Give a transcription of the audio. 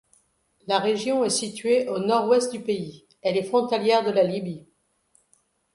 La région est située au nord-ouest du pays, elle est frontalière de la Libye.